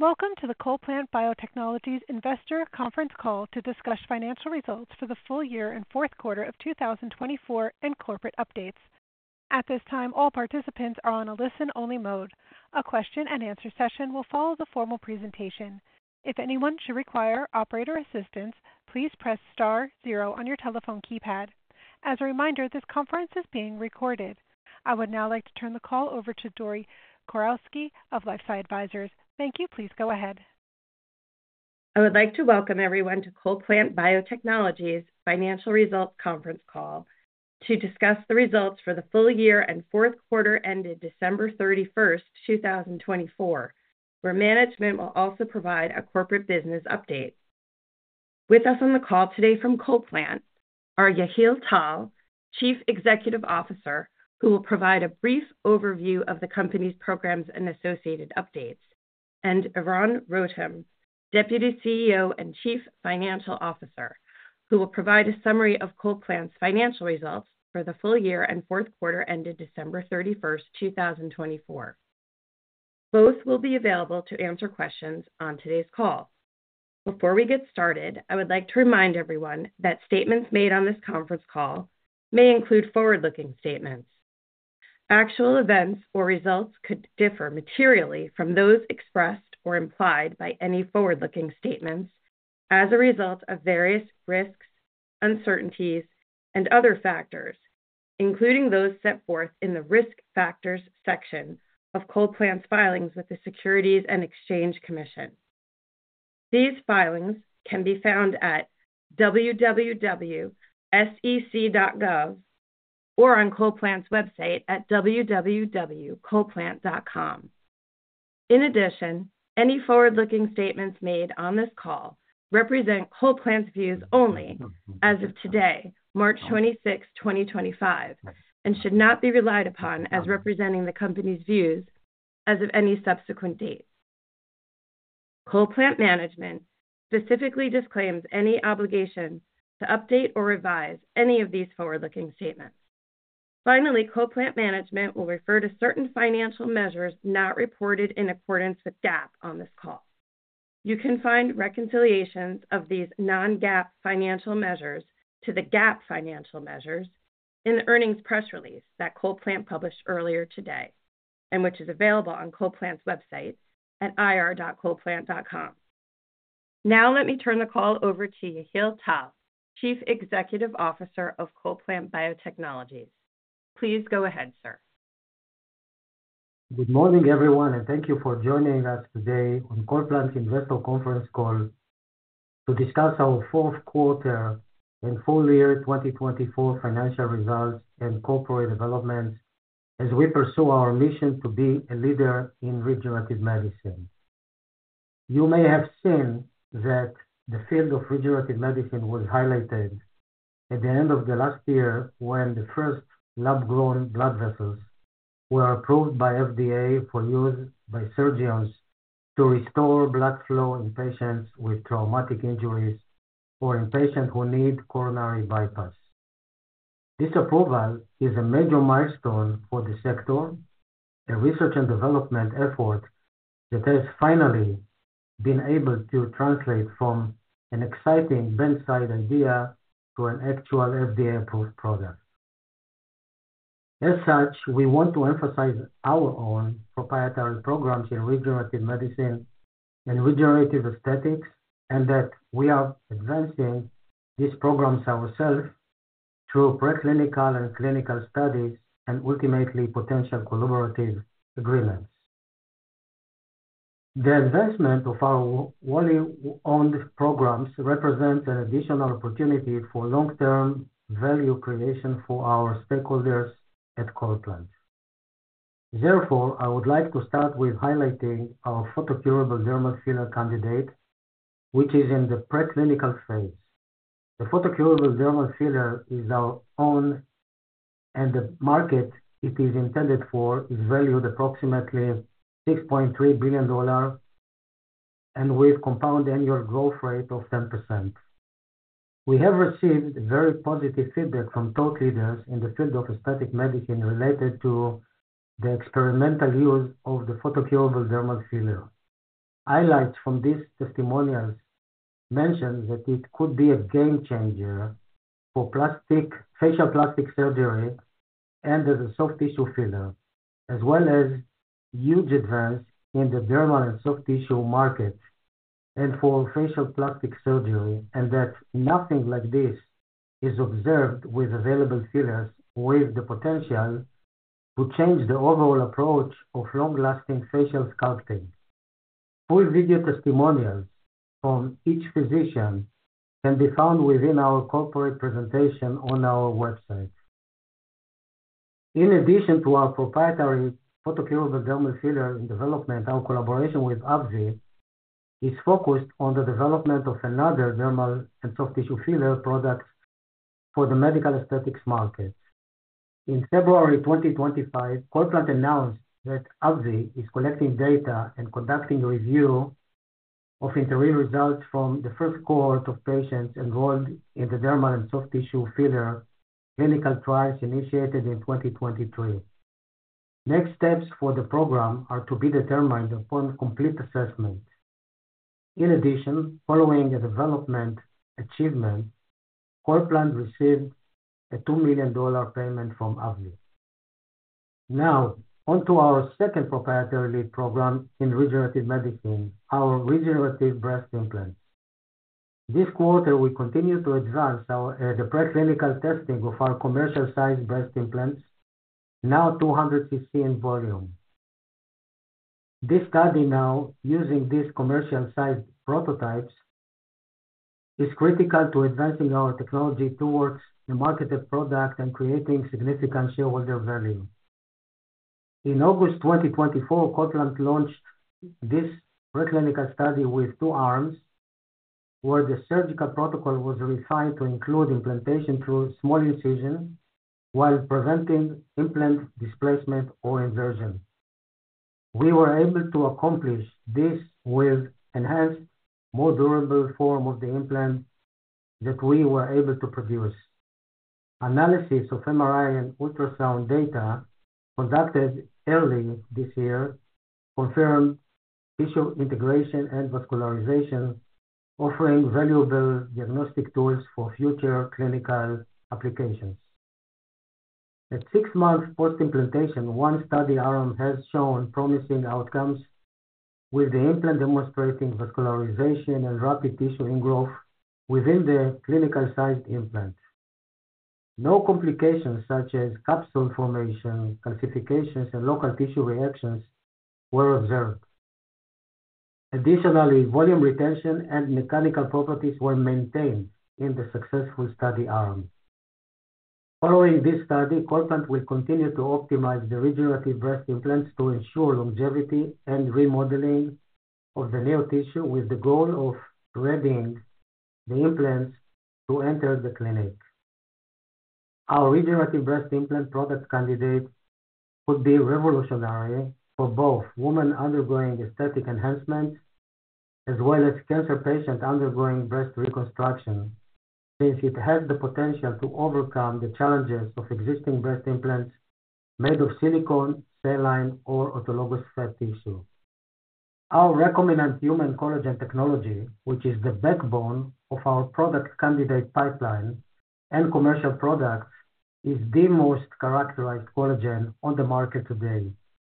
Welcome to the CollPlant Biotechnologies Investor Conference Call to discuss financial results for the full year and fourth quarter of 2024 and corporate updates. At this time, all participants are on a listen-only mode. A question-and-answer session will follow the formal presentation. If anyone should require operator assistance, please press star zero on your telephone keypad. As a reminder, this conference is being recorded. I would now like to turn the call over to Dory Kurowski of LifeSci Advisors. Thank you. Please go ahead. I would like to welcome everyone to CollPlant Biotechnologies Financial Results Conference Call to discuss the results for the full year and fourth quarter ended December 31, 2024, where management will also provide a corporate business update. With us on the call today from CollPlant are Yehiel Tal, Chief Executive Officer, who will provide a brief overview of the company's programs and associated updates, and Eran Rotem, Deputy CEO and Chief Financial Officer, who will provide a summary of CollPlant's financial results for the full year and fourth quarter ended December 31, 2024. Both will be available to answer questions on today's call. Before we get started, I would like to remind everyone that statements made on this conference call may include forward-looking statements. Actual events or results could differ materially from those expressed or implied by any forward-looking statements as a result of various risks, uncertainties, and other factors, including those set forth in the risk factors section of CollPlant's filings with the Securities and Exchange Commission. These filings can be found at www.sec.gov or on CollPlant's website at www.collplant.com. In addition, any forward-looking statements made on this call represent CollPlant's views only as of today, March 26, 2025, and should not be relied upon as representing the company's views as of any subsequent dates. CollPlant Management specifically disclaims any obligation to update or revise any of these forward-looking statements. Finally, CollPlant Management will refer to certain financial measures not reported in accordance with GAAP on this call. You can find reconciliations of these non-GAAP financial measures to the GAAP financial measures in the earnings press release that CollPlant published earlier today and which is available on CollPlant's website at ir.collplant.com. Now let me turn the call over to Yehiel Tal, Chief Executive Officer of CollPlant Biotechnologies. Please go ahead, sir. Good morning, everyone, and thank you for joining us today on CollPlant's investor conference call to discuss our fourth quarter and full year 2024 financial results and corporate developments as we pursue our mission to be a leader in regenerative medicine. You may have seen that the field of regenerative medicine was highlighted at the end of last year when the first lab-grown blood vessels were approved by the FDA for use by surgeons to restore blood flow in patients with traumatic injuries or in patients who need coronary bypass. This approval is a major milestone for the sector, a research and development effort that has finally been able to translate from an exciting bedside idea to an actual FDA-approved product. As such, we want to emphasize our own proprietary programs in regenerative medicine and regenerative aesthetics and that we are advancing these programs ourselves through preclinical and clinical studies and ultimately potential collaborative agreements. The advancement of our widely owned programs represents an additional opportunity for long-term value creation for our stakeholders at CollPlant. Therefore, I would like to start with highlighting our photocurable dermal filler candidate, which is in the preclinical phase. The photocurable dermal filler is our own, and the market it is intended for is valued at approximately $6.3 billion with a compound annual growth rate of 10%. We have received very positive feedback from thought leaders in the field of aesthetic medicine related to the experimental use of the photocurable dermal filler. Highlights from these testimonials mention that it could be a game changer for facial plastic surgery and as a soft tissue filler, as well as a huge advance in the dermal and soft tissue market and for facial plastic surgery, and that nothing like this is observed with available fillers with the potential to change the overall approach of long-lasting facial sculpting. Full video testimonials from each physician can be found within our corporate presentation on our website. In addition to our proprietary photocurable dermal filler development, our collaboration with AbbVie is focused on the development of another dermal and soft tissue filler product for the medical aesthetics market. In February 2025, CollPlant announced that AbbVie is collecting data and conducting a review of interview results from the first cohort of patients enrolled in the dermal and soft tissue filler clinical trials initiated in 2023. Next steps for the program are to be determined upon complete assessment. In addition, following a development achievement, CollPlant received a $2 million payment from AbbVie. Now, on to our second proprietary lead program in regenerative medicine, our regenerative breast implants. This quarter, we continue to advance the preclinical testing of our commercial-sized breast implants, now 200cc volume. This study, now using these commercial-sized prototypes, is critical to advancing our technology towards a marketed product and creating significant shareholder value. In August 2024, CollPlant launched this preclinical study with two arms where the surgical protocol was refined to include implantation through small incisions while preventing implant displacement or inversion. We were able to accomplish this with an enhanced, more durable form of the implant that we were able to produce. Analysis of MRI and ultrasound data conducted early this year confirmed tissue integration and vascularization, offering valuable diagnostic tools for future clinical applications. At six months post-implantation, one study arm has shown promising outcomes with the implant demonstrating vascularization and rapid tissue ingrowth within the clinical-sized implant. No complications such as capsule formation, calcifications, and local tissue reactions were observed. Additionally, volume retention and mechanical properties were maintained in the successful study arm. Following this study, CollPlant will continue to optimize the regenerative breast implants to ensure longevity and remodeling of the new tissue with the goal of readying the implants to enter the clinic. Our regenerative breast implant product candidate could be revolutionary for both women undergoing aesthetic enhancement as well as cancer patients undergoing breast reconstruction since it has the potential to overcome the challenges of existing breast implants made of silicone, saline, or autologous fat tissue. Our recombinant human collagen technology, which is the backbone of our product candidate pipeline and commercial products, is the most characterized collagen on the market today,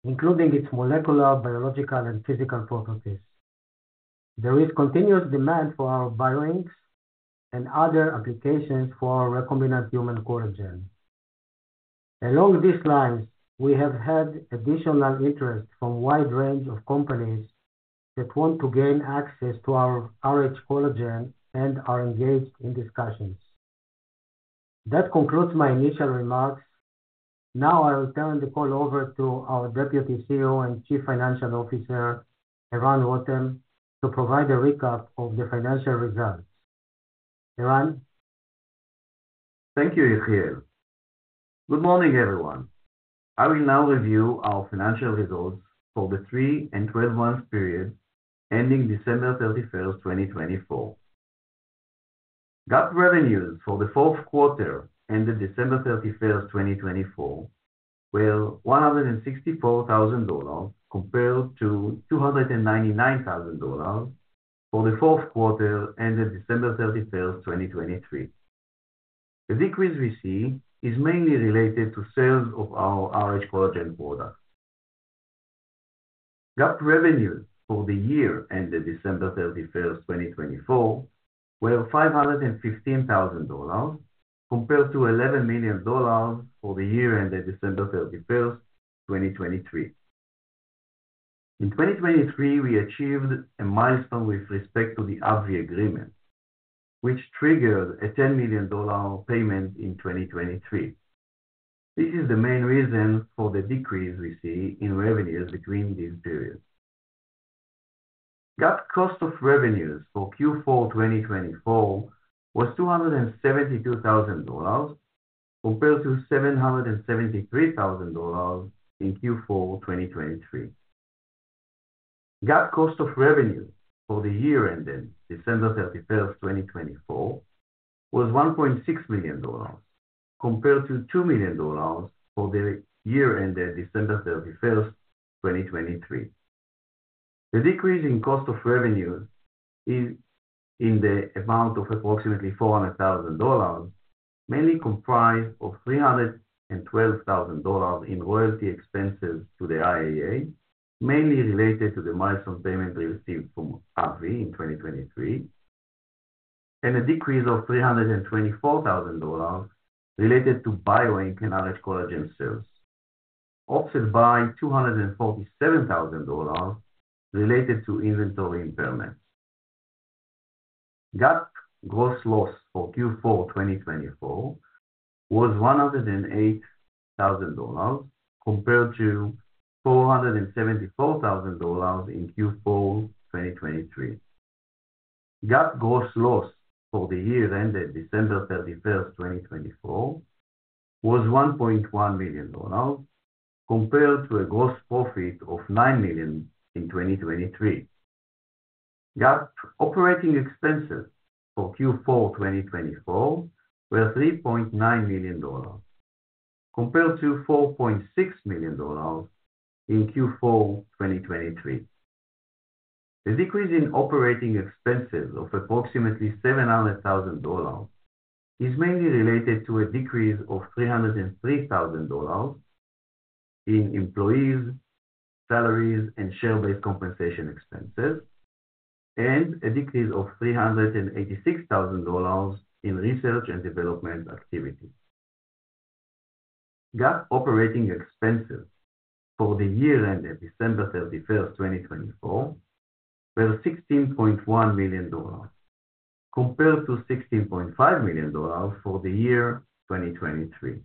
including its molecular, biological, and physical properties. There is continuous demand for our BioInk and other applications for our recombinant human collagen. Along these lines, we have had additional interest from a wide range of companies that want to gain access to our rhCollagen and are engaged in discussions. That concludes my initial remarks. Now I will turn the call over to our Deputy CEO and Chief Financial Officer, Eran Rotem, to provide a recap of the financial results. Eran. Thank you, Yehiel. Good morning, everyone. I will now review our financial results for the three and 12-month period ending December 31, 2024. GAAP revenues for the fourth quarter ended December 31, 2024, were $164,000 compared to $299,000 for the fourth quarter ended December 31, 2023. The decrease we see is mainly related to sales of our rhCollagen product. GAAP revenues for the year ended December 31, 2024, were $515,000 compared to $11 million for the year ended December 31, 2023. In 2023, we achieved a milestone with respect to the AbbVie agreement, which triggered a $10 million payment in 2023. This is the main reason for the decrease we see in revenues between these periods. GAAP cost of revenues for Q4 2024 was $272,000 compared to $773,000 in Q4 2023. GAAP cost of revenue for the year ended December 31, 2024, was $1.6 million compared to $2 million for the year ended December 31, 2023. The decrease in cost of revenues is in the amount of approximately $400,000, mainly comprised of $312,000 in royalty expenses to the Israel Innovation Authority, mainly related to the milestone payment received from AbbVie in 2023, and a decrease of $324,000 related to BioInk and rhCollagen sales, offset by $247,000 related to inventory impairments. GAAP gross loss for Q4 2024 was $108,000 compared to $474,000 in Q4 2023. GAAP gross loss for the year ended December 31, 2024, was $1.1 million compared to a gross profit of $9 million in 2023. GAAP operating expenses for Q4 2024 were $3.9 million compared to $4.6 million in Q4 2023. The decrease in operating expenses of approximately $700,000 is mainly related to a decrease of $303,000 in employees, salaries, and share-based compensation expenses, and a decrease of $386,000 in research and development activity. GAAP operating expenses for the year ended December 31, 2024, were $16.1 million compared to $16.5 million for the year 2023.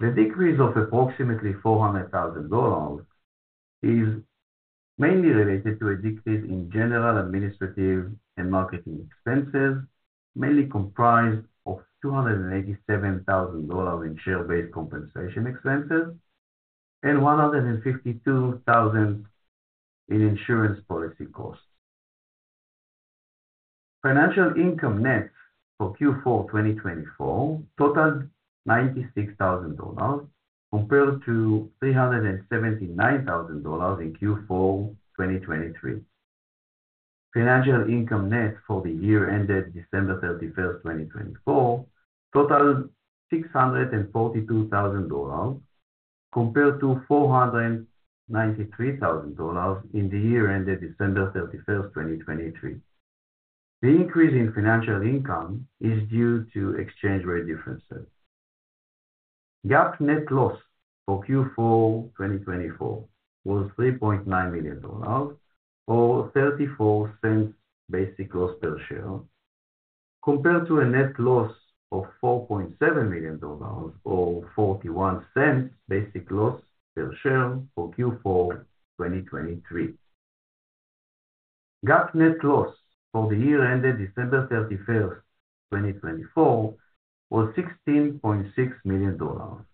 The decrease of approximately $400,000 is mainly related to a decrease in general administrative and marketing expenses, mainly comprised of $287,000 in share-based compensation expenses and $152,000 in insurance policy costs. Financial income net for Q4 2024 totaled $96,000 compared to $379,000 in Q4 2023. Financial income net for the year ended December 31, 2024, totaled $642,000 compared to $493,000 in the year ended December 31, 2023. The increase in financial income is due to exchange rate differences. GAAP net loss for Q4 2024 was $3.9 million, or $0.34 basic loss per share, compared to a net loss of $4.7 million, or $0.41 basic loss per share for Q4 2023. GAAP net loss for the year ended December 31st, 2024, was $16.6 million, or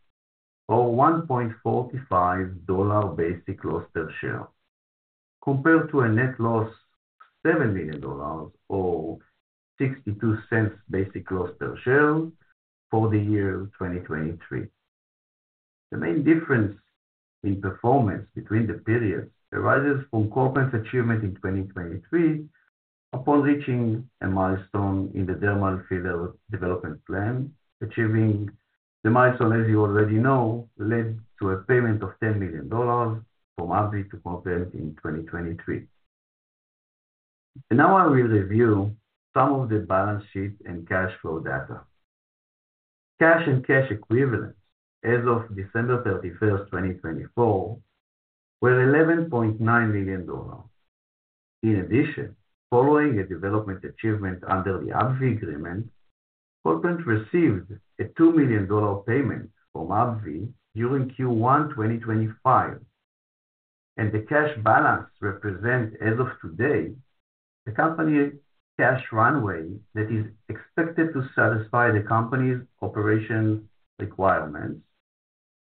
$1.45 basic loss per share, compared to a net loss of $7 million, or $0.62 basic loss per share for the year 2023. The main difference in performance between the periods arises from CollPlant's achievement in 2023 upon reaching a milestone in the dermal filler development plan, achieving the milestone, as you already know, led to a payment of $10 million from AbbVie to CollPlant in 2023. Now I will review some of the balance sheet and cash flow data. Cash and cash equivalents as of December 31st, 2024, were $11.9 million. In addition, following a development achievement under the AbbVie agreement, CollPlant received a $2 million payment from AbbVie during Q1 2025, and the cash balance represents as of today the company cash runway that is expected to satisfy the company's operation requirements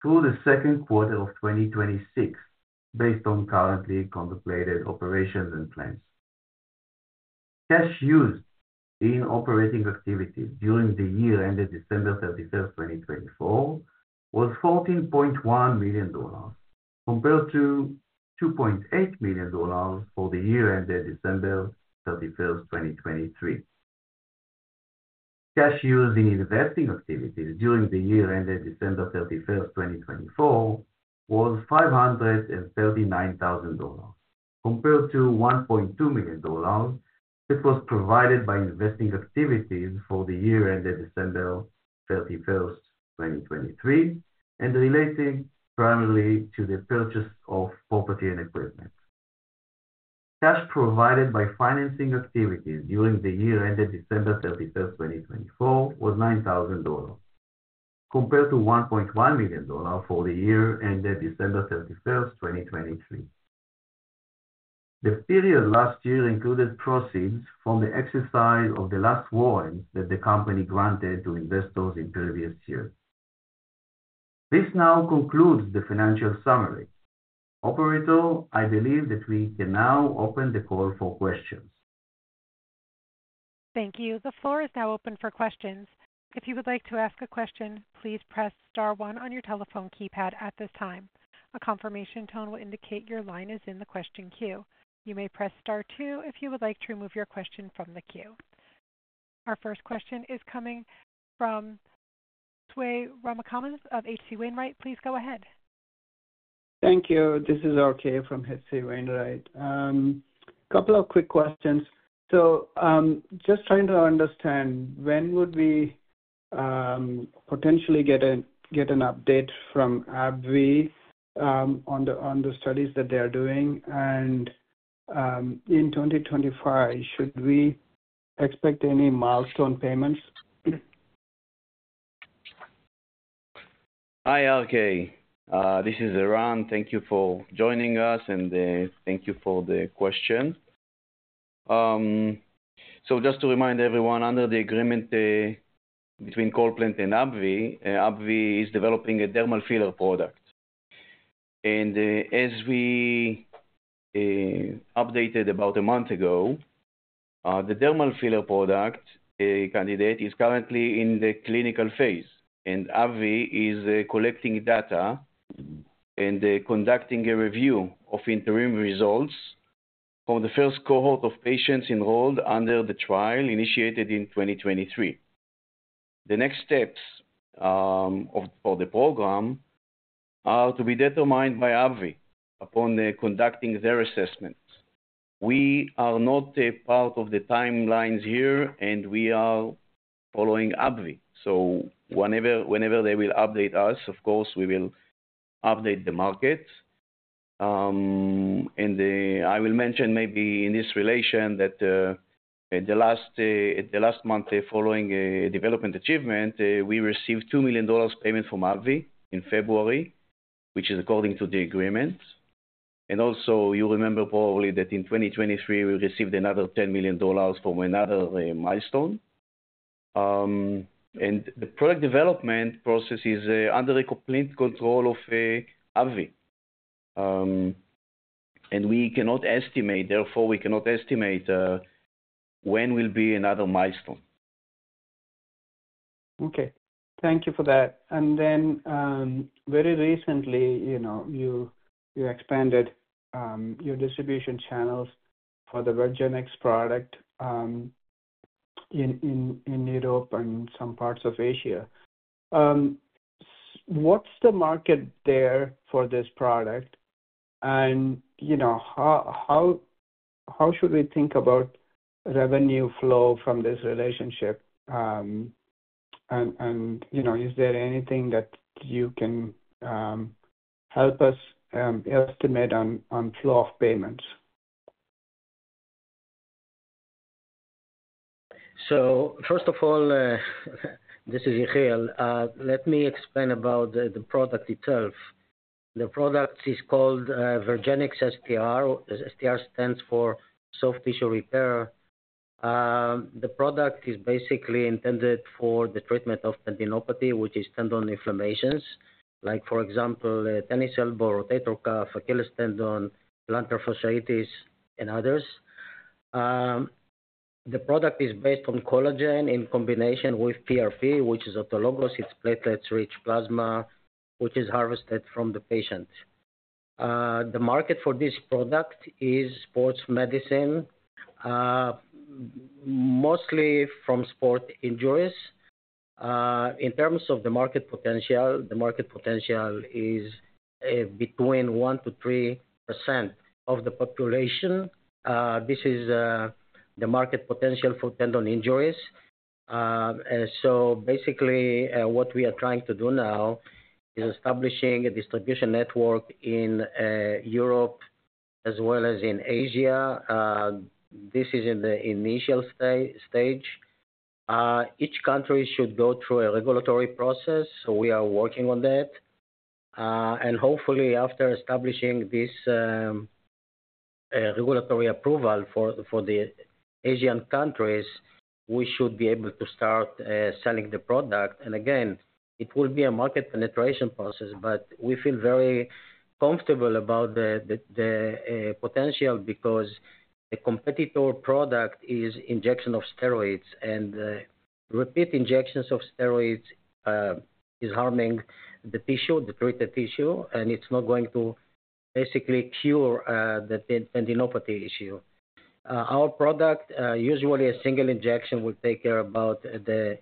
through the second quarter of 2026, based on currently contemplated operations and plans. Cash used in operating activities during the year ended December 31, 2024, was $14.1 million compared to $2.8 million for the year ended December 31, 2023. Cash used in investing activities during the year ended December 31, 2024, was $539,000 compared to $1.2 million that was provided by investing activities for the year ended December 31, 2023, and related primarily to the purchase of property and equipment. Cash provided by financing activities during the year ended December 31, 2024, was $9,000 compared to $1.1 million for the year ended December 31, 2023. The period last year included proceeds from the exercise of the last warrant that the company granted to investors in previous years. This now concludes the financial summary. Operator, I believe that we can now open the call for questions. Thank you. The floor is now open for questions. If you would like to ask a question, please press star one on your telephone keypad at this time. A confirmation tone will indicate your line is in the question queue. You may press star two if you would like to remove your question from the queue. Our first question is coming from Swayampakula Ramakanth of H.C. Wainwright. Please go ahead. Thank you. This is RK from HC Wainwright. A couple of quick questions. Just trying to understand, when would we potentially get an update from AbbVie on the studies that they are doing? In 2025, should we expect any milestone payments? Hi, RK. This is Eran. Thank you for joining us, and thank you for the question. Just to remind everyone, under the agreement between CollPlant and AbbVie, AbbVie is developing a dermal filler product. As we updated about a month ago, the dermal filler product candidate is currently in the clinical phase, and AbbVie is collecting data and conducting a review of interim results for the first cohort of patients enrolled under the trial initiated in 2023. The next steps for the program are to be determined by AbbVie upon conducting their assessments. We are not a part of the timelines here, and we are following AbbVie. Whenever they update us, of course, we will update the market. I will mention maybe in this relation that last month following a development achievement, we received $2 million payment from AbbVie in February, which is according to the agreement. You remember probably that in 2023, we received another $10 million from another milestone. The product development process is under the complete control of AbbVie. We cannot estimate, therefore, we cannot estimate when will be another milestone. Okay. Thank you for that. Very recently, you expanded your distribution channels for the Vergenix STR product in Europe and some parts of Asia. What's the market there for this product? How should we think about revenue flow from this relationship? Is there anything that you can help us estimate on flow of payments? First of all, this is Yehiel. Let me explain about the product itself. The product is called Vergenix STR. STR stands for soft tissue repair. The product is basically intended for the treatment of tendinopathy, which is tendon inflammations, like, for example, tennis elbow, rotator cuff, Achilles tendon, plantar fasciitis, and others. The product is based on collagen in combination with PRP, which is autologous; it's platelet-rich plasma, which is harvested from the patient. The market for this product is sports medicine, mostly from sport injuries. In terms of the market potential, the market potential is between 1%-3% of the population. This is the market potential for tendon injuries. Basically, what we are trying to do now is establishing a distribution network in Europe as well as in Asia. This is in the initial stage. Each country should go through a regulatory process, so we are working on that. Hopefully, after establishing this regulatory approval for the Asian countries, we should be able to start selling the product. It will be a market penetration process, but we feel very comfortable about the potential because the competitor product is injection of steroids, and repeat injections of steroids are harming the tissue, the treated tissue, and it's not going to basically cure the tendinopathy issue. Our product, usually a single injection, will take care of about the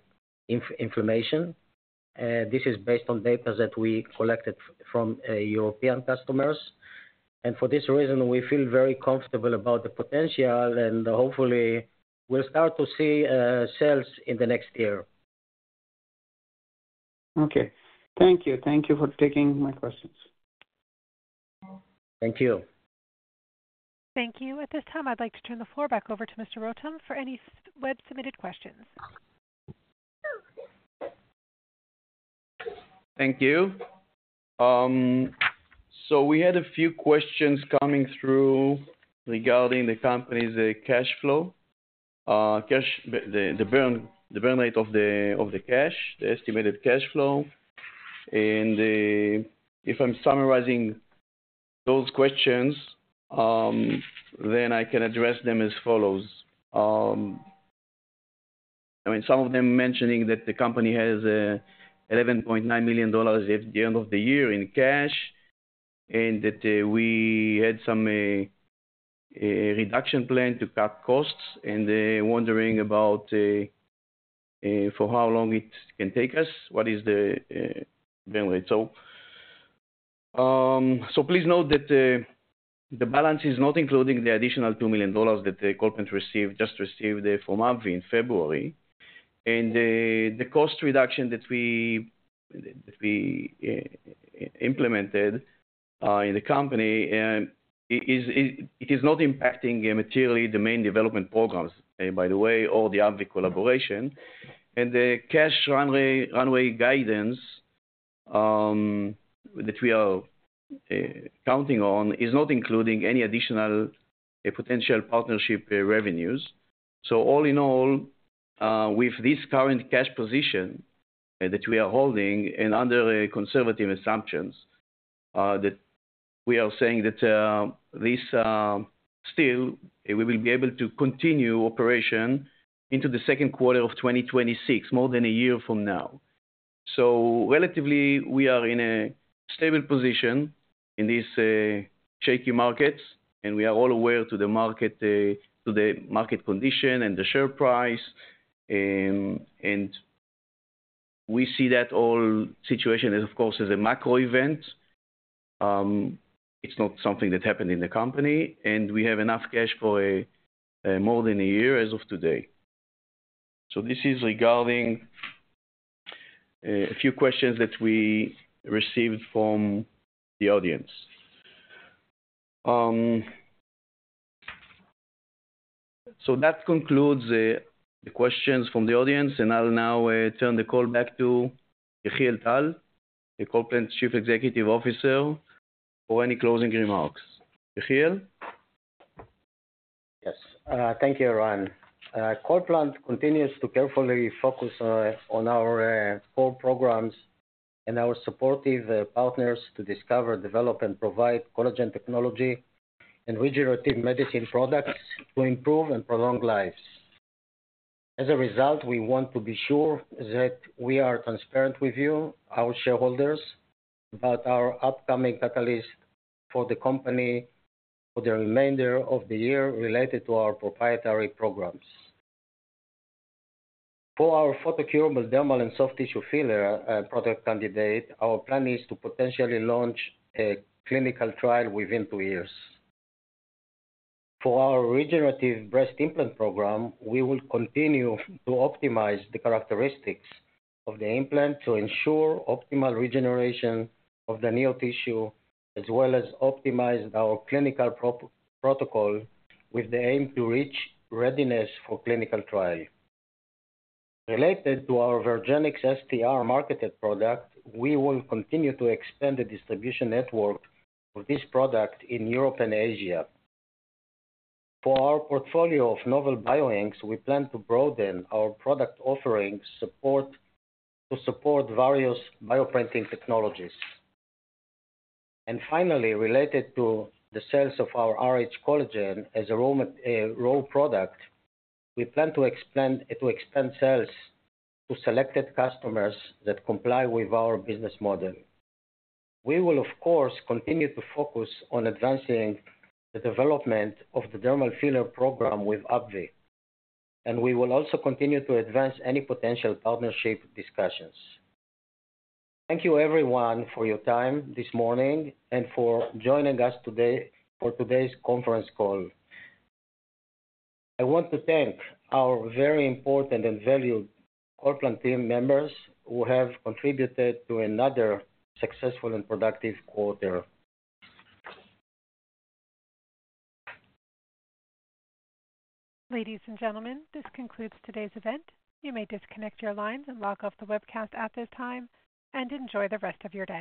inflammation. This is based on data that we collected from European customers. For this reason, we feel very comfortable about the potential, and hopefully, we'll start to see sales in the next year. Okay. Thank you. Thank you for taking my questions. Thank you. Thank you. At this time, I'd like to turn the floor back over to Mr. Rotem for any web-submitted questions. Thank you. We had a few questions coming through regarding the company's cash flow, the burn rate of the cash, the estimated cash flow. If I'm summarizing those questions, then I can address them as follows. I mean, some of them mentioning that the company has $11.9 million at the end of the year in cash, and that we had some reduction plan to cut costs, and wondering about for how long it can take us, what is the burn rate. Please note that the balance is not including the additional $2 million that CollPlant just received from AbbVie in February. The cost reduction that we implemented in the company, it is not impacting materially the main development programs, by the way, or the AbbVie collaboration. The cash runway guidance that we are counting on is not including any additional potential partnership revenues. All in all, with this current cash position that we are holding and under conservative assumptions, we are saying that still we will be able to continue operation into the second quarter of 2026, more than a year from now. Relatively, we are in a stable position in these shaky markets, and we are all aware of the market condition and the share price. We see that whole situation as, of course, as a macro event. It's not something that happened in the company, and we have enough cash for more than a year as of today. This is regarding a few questions that we received from the audience. That concludes the questions from the audience, and I'll now turn the call back to Yehiel Tal, the CollPlant Chief Executive Officer, for any closing remarks. Yehiel? Yes. Thank you, Eran. CollPlant continues to carefully focus on our core programs and our supportive partners to discover, develop, and provide collagen technology and regenerative medicine products to improve and prolong lives. As a result, we want to be sure that we are transparent with you, our shareholders, about our upcoming catalyst for the company for the remainder of the year related to our proprietary programs. For our photocurable dermal and soft tissue filler product candidate, our plan is to potentially launch a clinical trial within two years. For our regenerative breast implant program, we will continue to optimize the characteristics of the implant to ensure optimal regeneration of the neotissue, as well as optimize our clinical protocol with the aim to reach readiness for clinical trial. Related to our Vergenix STR marketed product, we will continue to expand the distribution network of this product in Europe and Asia. For our portfolio of novel BioInk, we plan to broaden our product offerings to support various bioprinting technologies. Finally, related to the sales of our rhCollagen as a raw product, we plan to expand sales to selected customers that comply with our business model. We will, of course, continue to focus on advancing the development of the dermal filler program with AbbVie, and we will also continue to advance any potential partnership discussions. Thank you, everyone, for your time this morning and for joining us today for today's conference call. I want to thank our very important and valued CollPlant team members who have contributed to another successful and productive quarter. Ladies and gentlemen, this concludes today's event. You may disconnect your lines and log off the webcast at this time and enjoy the rest of your day.